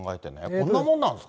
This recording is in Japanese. こんなもんなんですか。